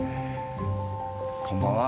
こんばんは。